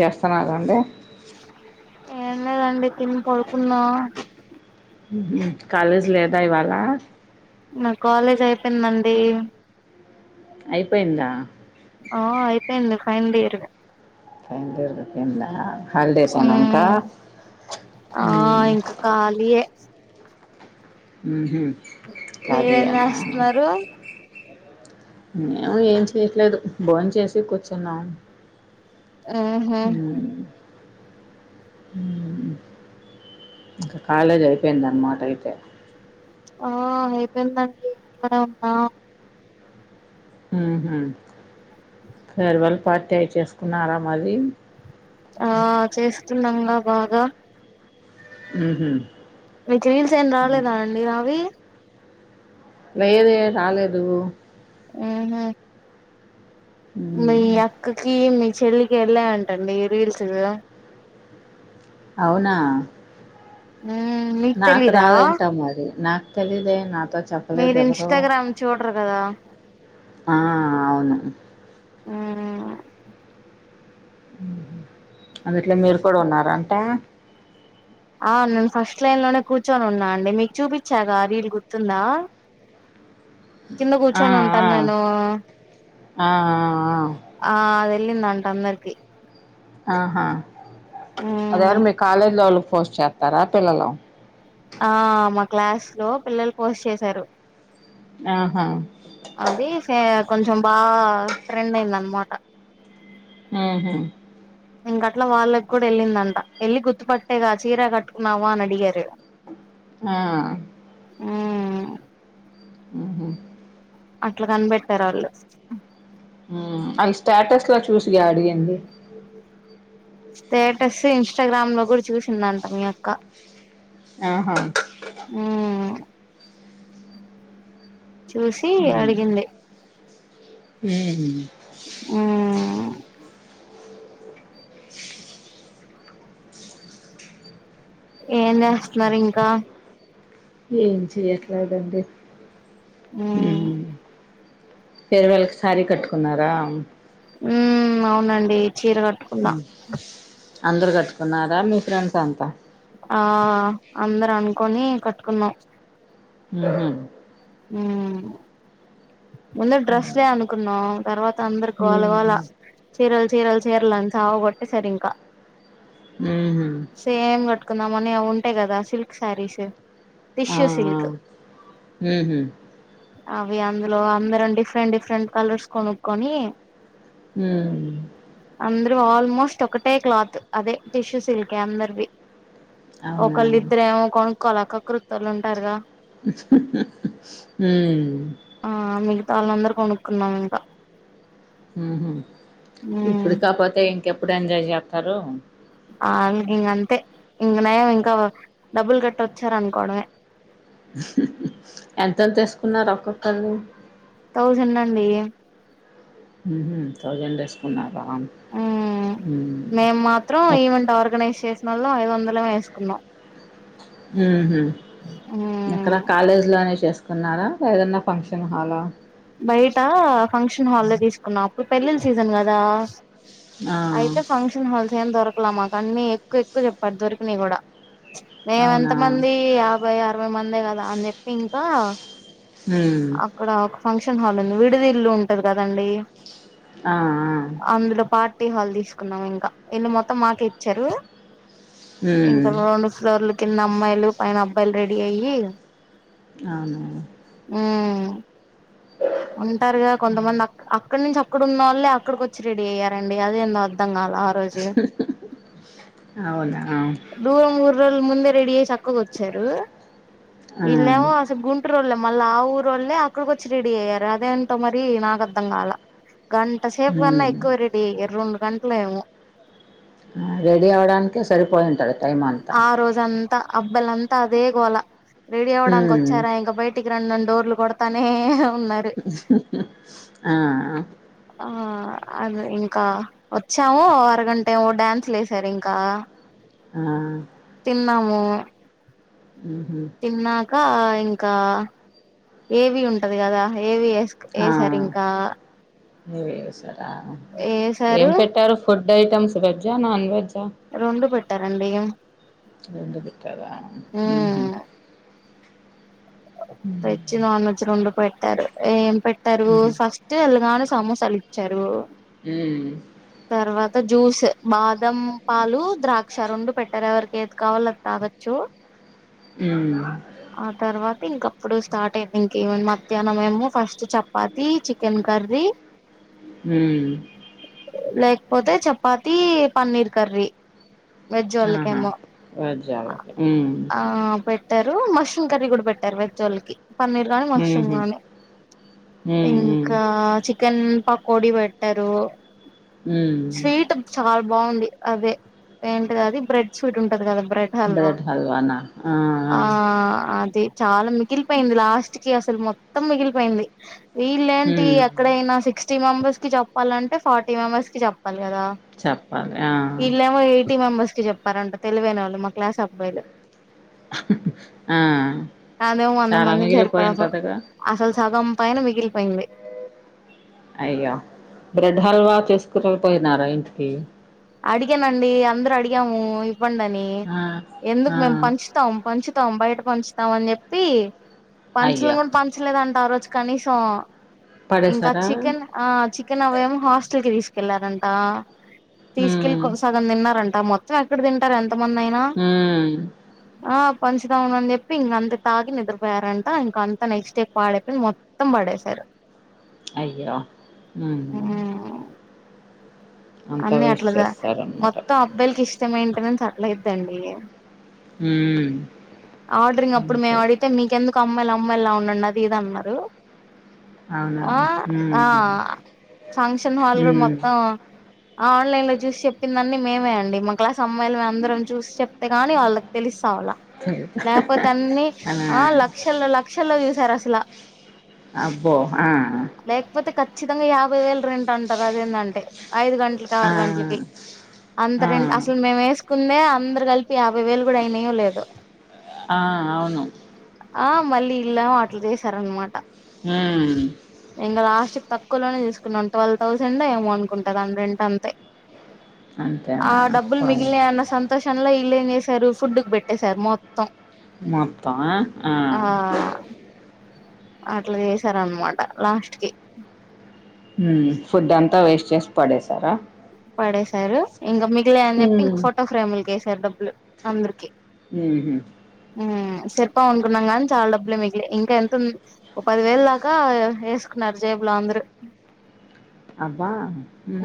చేస్తన్నారండి ఏం లేదండి తిని పడుకున్నా ఉమ్ హ్ కాలేజ్ లేదా ఇవాళ నా కాలేజ్ అయిపోయిందండి అయిపోయిందా ఆ అయిపోయింది ఫైన్ల్ ఇయర్ ఫైనల్ ఇయర్ అయిపోయిందా హాలిడేసానా ఇంకా మ్మ్ ఆ ఇంకా ఖాళీయే ఉహుం మీరేం ఖాళీయా చేస్తున్నారు మేము ఏం చేయట్లేదు బోని చేసి కూర్చున్నాం ఉహుం ఉమ్ హుమ్ ఇంకా కాలేజ్ అయిపోయింది అనమాట అయితే ఆ అయిపోయిందండి ఇంట్లనే ఉన్నా ఉహుం ఫేర్వెల్ పార్టీ అయి చేసుకున్నారా మరి ఆ చేస్తున్నాంగా బాగా ఉహుం మీకు రీల్స్ ఏం రాలేదా అండి నావి లేదే రాలేదు ఉహుం మీ ఉమ్ అక్కకి మీ చెల్లికి వెళ్ళా యంటండి రీల్స్ అవునా ఉమ్ నాకు రావేంటో మరి నాకు తెలిదే నాతో చెప్పలేదు మీరు ఎవరు ఇన్స్టాగ్రామ్ చూడరు కదా ఆ అవును మ్మ్ అదిట్లో మీరు కూడా ఉన్నార అంటే ఆ నేను ఫస్ట్ లైన్ లోనే కూర్చొని ఉన్నా అండి మీకు చూపించాగా రీలు గుర్తుందా? కింద ఆ కూర్చొని ఉంటాను నేను ఆ ఆ ఆ ఆ అదేలిందంట అందరికి ఆహా అది మ్మ్ ఎవరు మీ కాలేజ్ లొల్లు పోస్ట్ చేస్తారా పిల్లలు ఆ మా క్లాస్ లో పిల్లలు పోస్ట్ చేసారు ఆహా అది సే కొంచెం బాగా ట్రెండ్ అయింది అనమాట ఆహా ఇంకట్ల వాళ్ళకి కూడా వెళ్ళిందంట వీళ్ళు గుర్తుపట్టేగా చీర కట్టుకున్నావా అని అడిగారు ఆ ఉమ్ ఉహుం అట్లా కనిపెట్టారు ఆళ్ళు ఉమ్ అల్లు స్టాటస్ లో చూసిగా అడిగింది స్టేటస్ ఇన్స్టాగ్రామ్ లో కూడా చూసిందంట మీ యక్క ఆహా ఉమ్ చూసి అడిగింది ఉహుం ఆ ఏం చేస్తున్నారు ఇంకా ఏం చెయట్లాదండి ఉమ్ ఫేర్వెల్ కి సారీ కట్టుకున్నరా. ఉ అవునండి చీర కట్. అందరూ కట్టుకున్నారా మీ ఫ్రెండ్స్ అంతా ఆ అందరు అనుకోని కట్టుకున్నాం అహ హ్ ముందర డ్రస్లే అనుకున్నాం తర్వాత అందరు గోల గోళ చీరలు చీరలు చీరలని సావ కొట్టేసాడు ఇంకా హూహు సేమ్ కట్టుకుందాంమని ఉంటే కదా సిల్క్ శారీస్ ఆ టిష్యు ఆ సిల్క్ ఉహు అవి అంద్ లో అందరం డిఫెరెంట్ డిఫెరెంట్ కలర్స్ కొనుక్కొని హ్ అందరు ఆల్మోస్ట్ ఒకటే క్లాత్ అదే టిష్యూ సిల్కే అందరిది అవునా ఒకలిద్దరేమో కొనుకొలె కక్రుతోల్లు ఉంటారుగా హ్హ్ హ్మ్మ్ ఆ మిగతావాళ్ళు అందరం కొనుక్కున్నాం ఇంక ఉ హు ఉమ్ ఇప్పుడు కాకపోతే ఇంకెప్పుడు ఎంజాయ్ చేస్తారు అల్ ఇంక్ అంతే ఇంకనయం డబ్బులు కట్టి వచ్చారు అనుకోవడమే హు ఎంతెంత వేసుకున్నారు ఒక్కొక్కల్లు థౌజండ్ అండి థౌజండ్ వేసుకున్నారా ఉమ్ మేము మాత్రం ఈవెంట్ ఆర్గనైజ్ చేసిన వాళ్ళ ఐదువందలే వేసుకున్నాం ఉహు ఎక్కడ మ్మ్ కాలేజ్ లోనే చేసుకున్ ఉన్నారా ఏదైనా ఫంక్షన్ హాలా బయట ఫంక్షన్ హాల్లో తీసుకున్నాం అప్పుడు పెళ్ళిల్ల సీజన్ కదా ఆ అయితే ఫంక్షన్ హాల్ ఏం దొరకల మాకన్నీ ఎక్కువ ఎక్కువ చెప్పడు దొరికినవి కూడ మేము ఎంత అవునా మంది యాభై అరవై మందే కదా అని చెప్పి ఇంకా హ్మ్మ్ ఒక ఫంక్షన్ హాల్ లో విడిది ఇల్లు ఉంటుంది కదండి ఆ అ ఆ అందులో పార్టీ హాల్ తీసుకున్నాం ఇంక ఇల్లు మొత్తం మాకె ఇచ్చారు ఇంకా రెండు ఫ్లోర్లు కింద అమ్మాయిలు పైన అబ్బాయిలు రెడీ అయ్యి అవునవును హు ఉంటరుగా కొంతమంది అ అక్కడి నుంచి ఇక్కడున్నోళ్ళే అక్కడికి వచ్చి రెడీ అయ్యారండి అది ఎందో అర్థం కాల రోజు అవునా దూరం ఊర్లోలె ముందే రెడీ అయి చక్కగ వచ్చారు వీళ్లేమో అసలు గుం ఇ రోళ్ళే మళ్ళ ఆ ఊరు రోళ్ళలే అక్కడికోచ్చి రెడీ అయ్యారు అదేంటో మరి నాకు అర్ధం కాల గం సేపు కన్న ఉమ్ ఎక్కువ రెడి అయ్యరు రెండు గంట్లేమో ఆ రెడీ అవడానికే సరిపోయింటది ఆ రోజంతా అబ్బలంతా అదే గోలా రెడి అవడానికి ఉమ్ వచ్చారా ఇంక బయట్ నన్నడోర్లు కొడతానే ఉన్నార్ ఆ ఆ ఆ అది ఇంకా వచ్చాము అరగంటేమో డ్యాన్స్లు వెసారు ఇంకా ఆ తిన్నాము ఉహు తిన్నాక ఇంకా ఏవి ఉంటది కదా ఏవి వేసు ఆ ఎవి ఎసర ఏం వేసారు పెట్టారు ఫుడ్ ఐటమ్స్ వెజ్ ఆ నాన్ వెజ్జా రెండు పెట్టారండి రెండు పెట్టరా ఉహు ఉమ్ వెజ్ నాన్ వెజ్ రెండు పెట్టారు ఏం పెట్టారు ఉహు ఫస్ తి ఎల్లగానే సమోసాలు ఇచ్చారు ఊ తర్వాత జ్యూస్ బాదం పాలు ద్రాక్ష రెండు పెట్ ఎవరెవరికి ఏది కావాలో అది తాగొచ్చు ఊ ఆ తర్వాత ఇంకప్పుడు స్టార్ట్ అయింది ఇంకేమ మధ్యాహ్నం ఏమో ఫస్ట్ చపాతి చికెన్ కర్రీ ఊ లేకపోతే చపాతి పన్నీర్ కర్రీ ఆహా వెజళకేమ్మో వెజ్ వాళ్ళకి ఉమ్ ఆ పెట్ మష్రూమ్ కర్రీ కూడా పెట్టారు వెజ్ వాళ్లకి పన్నీర్ గానీ మష్రూమ్ ఉహు గానీ ఉమ్ ఉమ్ ఇంకా చిక్ చికెన్ పకోడి పెట్టారు ఉమ్ స్వీట్ చాలా బాగుంది అదే ఏంటిదది బ్రెడ్ స్వీట్ ఉంటది కదా బ్రెడ్ హల్వా బ్రెడ్ హల్వానా ఆ అది చాలా మిగిలిపోయింది లాస్ట్ కి అసలు మొత్తం మిగిలిపోయింది వీళ్ళ ఏంటి ఉమ్ ఎక్కడైనా సిక్స్టీ మెంబర్స్ కి చెప్పాలంటే ఫార్టీ మెంబెర్స్ కి చెప్పాలి కదా చెప్పాలి ఆ ఇలామో ఎయిటీ మెంబెర్స్ కి చెప్పారంట తెలివైన వాళ్ళు మా క్లాస్ అబ్బాయిలు ఆ అదేమ వంద చాలా మందికి మిగిలిపోయి సరిపాదు ఉంటదిగా అసలు సగం పైన మిగిలిపోయింది అయ్యో బ్రెడ్ హల్వా తీసుకుక పోయినారా ఇంటికి అడిగానండి అందరు అడిగాము ఇవ్వండి అని ఆ ఎందుకు ఆ మేము పంచ పంచుతాం పంచుతాం బయట పంచుతాం అని చెప్పి పంచలను అయ్యో కూడా పంచ చ్చలేదంటే ఆ రోజు కనీసం ఇంకా పడేసారా చికెన్ ఆ చికెన్ అవము హాస్టల్ కి తీసుకెళ్లారంట తీసుకెళ్ళి ఉమ్ కొక సగం తిన్నారంట మొత్తం ఎక్కడ తింటారు ఎంత మంది అయినా ఊ ఆ పంచతామనని చెప్పి ఇంక అంత తాగి నిద్రపోయారంట ఇంక అంత నెక్స్ట్ డే పాడేప్పి మొత్తం తం పడేసార్ అయ్యో ఉహు అన్నీ వేస్ట్ అట్లాద చేస్తారన్నమాట మొత్తం అబ్బాయిలకి ఇస్తె మెయింటెనెన్స్ అట్లా ఇద్దండి ఉమ్ ఆడ్రింగ్ అప్పుడు మే అంతే ఆడి అయితే మీకెందుకు అమ్మాయిలు అమ్మాయిలా ఉండండి అది ఇది అన్నారు అవునా ఆ ఆ ఉమ్ ఫంక్షన్ హాల్ కూడా ఉమ్ మొత్తం ఆ ఆన్లైన్ లో చూసి చెప్పిందన్నన్ని మేమే అండి మా క్లాసమ్మాయాలు మేము అందరం చూసి చెప్తేగాని వాళ్ళకి తెలిసావల లేకపోతే అన్ని అనా ఆ లక్షల్లో లక్షల్లో చూసారు అసలు అబ్బో ఆ లేకపోతే ఖచ్చితంగా యాభై వేల రెంట్ అంటారు అదేంటంటే ఐదు గంటలకి ఆ ఆరు గంటలకి ఆ అంతరెంట్ అసలు మేము వేసుకుందే అందరు కలిపి ఇ యాభై వేలు కూడా అయినయో లేదొ ఆ అవును ఆ మళ్ళీ ఇళ్ళం అట్లు చేసారనమాట హ ఇంక లాస్ట్ తక్కులోనే చూసుకున్నాం ట్వల్వ్ థౌసండ్ ఏమ అనుకుంటాం దాని రెంటంతే అంతేనా ఆ డబ్బుల్ మిగిలినయ్ అన్న స షన్ంలో ఈళ్ళు ఏం చేశారు ఫుడ్డుకి పెట్టేశారు మొత్తం మొత్తవా ఆ ఆ అట్లా చేసారన్నమాట లాస్ట్ కి ఫుడ్ అంతా వేస్ట్ చేసి పడేసారా పడేశారు ఇంకా మిగిలాయి అని చెప్పి ఉమ్ ఇంక ఫోటో ఫ్రేములకేసారు డబ్బులు అందరికి ఉహు సరిపోవు అనుకున్నాం కానీ చాలా డబ్బులు మిగిలి ఇంకా ఎంత ఓ పది వేలు దాకా వేసుకున్నారు జేబులో అందరు అబ్బా ఉ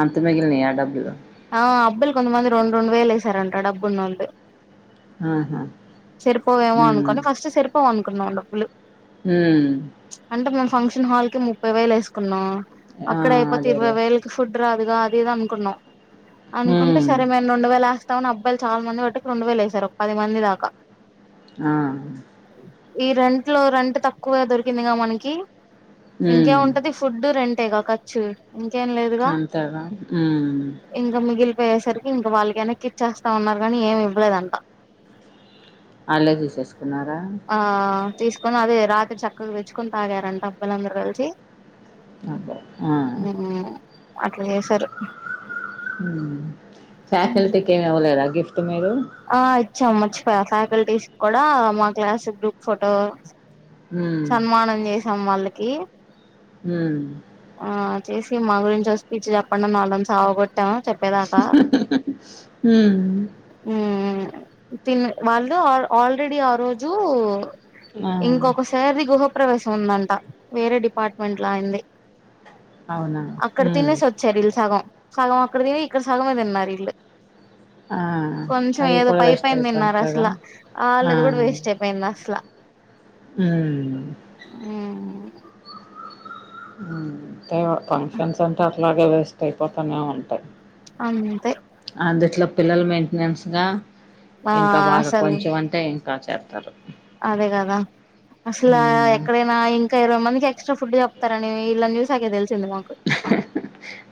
అంత మిగిలినయా డబ్బులు ఆబ్బయిలు కొంతమంది రెండు రెండు వేలు వేసారంటా డబ్బున్నోళ్లు ఆహా సరిపోవేమో ఉమ్ అనుకోని ఫస్ట్ సేరిపోవ్ అనుకున్నాం డబ్బులు ఉ అంటే మేం ఫంక్షన్ హాల్ కి ముప్పై వేలు వేసుకున్నాం ఆ అక్కడ అయిపోతే ఇరవై అదేలే వేలు ఫుడ్ రాదుగా అది ఇది అనుకున్నాం అనుకుంటే ఉమ్ సరే మ రెండు వేలేస్తా అని అబ్బయిలు చాలా మంది బటుకి రెండు వేలు వేసారు ఒక పది మంది దాకా ఆ ఈ రెంట్ లో రెంట్ తక్కువ దొరికిందిగా మనకి ఉమ్ ఇంకేము ఉంటది ఫుడ్ రెంటేగా ఖర్చు ఇంకేం లేదుగా కదా ఉ ఇంకా మిగిలిపోయేసరికి ఇంకావాళ్లకి వెన్నక్కిచ్చేస్తాం అన్నారు కాని ఏమి ఇవ్వలేదంట వాళ్ళే తీసేసుకున్నారా ఆ తీసుకొని అదే రాత్రి చక్కగా తెచ్చుకుని తాగారంటడి అబ్బయిలందరూ కలిసి అబ్బా ఆ ఉ అట్లా చేసారు ఫ్యాకల్టీకి ఏమి ఇవ్వలేదా గిఫ్ట్ మీరు ఆ ఇచ్చాము మర్చిపోయ ఫ్యాకల్టీస్ కూడా మా క్లాస్ గ్రూప్ ఫోటో ఉమ్ సన్మానం చేసాం వాళ్ళకి ఉ ఆ చేసి మా గురించి వసి స్పీచ్చి చెప్పండి వాళ్ళని సావ కొట్టాము చెప్పేదాకా ఉ ఉ తిన్ వాళ్ళు ఆల్రెడీ ఆ రోజు ఆ ఇంకొకసారిది గుహపవేశం ఉందంట వేరే డిపార్ట్మెంట్ లో అయింది అవునా అక్కడ ఉమ్ తినేసి వచ్చారు ఇల్లు సగం సగం అక్కడ తినని ఇక్కడ సగం తిన్నారు ఇల్లు ఆ కొంచెం అవి ఏదో కూడా పై వేస్ట్ పయిన తిన్నారు అయిపోతాయిగా అసలు ఆ ఆళ్ళది కూడా వేస్ట్ అయి విన్ దస్లా ఉమ్ ఉమ్ ఉమ్ అంటే ఫంక్షన్స్ అంటే అట్లాగే వేస్ట్ అయిపోతానే ఉంటాయి అంతే అందుట్లో పిల్లలు మెయింటెనెన్స్ గా ఆ ఇంకా బాగా అసలు కొంచెం అంత అంటే ఇంకా చేత్తరు అదే గదా అసలు ఎక్కడైనా ఇంకా ఇరవై మందికి ఎక్స్ట్రా ఫుడ్ చెప్తారని ఇళ్ననీ చూసాకే తెలిసింది మాకు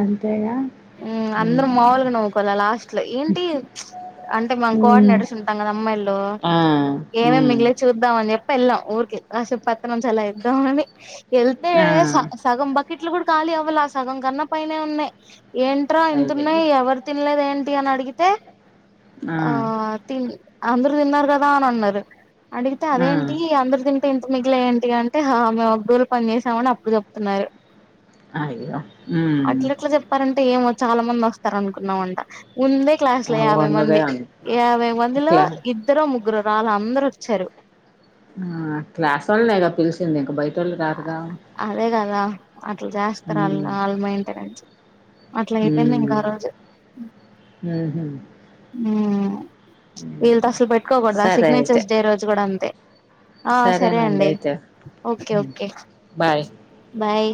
అంతేగా ఉమ్ అందరు ఉమ్ మాములుగా నవ్వుకోవాలే లాస్ట్ లో ఏంటి అంటే మనం కోఆర్డినేటర్స్ ఉంటాం కదా అమ్మాయిలో ఆ ఉమ్ చూద్దాం అని చెప్పి యెళ్ళాం ఊరికి కాసేపు పెత్తనం చెలా ఇద్దాం అని యెళ్తే ఆ స సగం బకెట్లి గూడా కాలి అవ్వళే ఆ సగం కన్నా పైనే ఉన్నాయి ఏంట్రా ఇంత అయ్యయ్యో ఉన్నాయి ఎవరి తిన్లేదా ఏంటి అని అడిగితే ఆ తి అందరు తిన్నారు గదా అని అన్నారు అడిగితే ఆ అదేంటి అందరూ తి తింటే నీకేంటి అంటే హా మేము ఒక దూల పని చేసామని అప్పుడు చెప్తున్నారు అయ్యా ఉమ్ అట్లెట్లా చెప్పారంటే ఏమో చాలా మంది వస్తారు అనుకున్నామంట ముందే క్లాస్ లో యాభై ఉన్నదే మంది ఉంది యాభై మందిలో ఇట్లా ఇద్దరు ముగ్గురు రాలే అందరు వచ్చారు ఆ క్లాస్ వోళ్ళేగ పిలిసింది ఇంకా బయటోళ్ళు గాదుగా అదే గదా అట్లా జేస్తరు అళ్ళు హ్మ్ అలా మైంటనేన్స్ అట్లా అయిపోయింది ఇంకా ఆ రోజు ఉమ్ మ్మ్ వీళ్ళతో అసలు పెట్టుకోకూడదు ఆ సిగ్నేచర్స్ డే రోజు కూడా అంతే ఆ సరే సరేనండి అండి అయితే ఓకే హ్మ్. Okay bye bye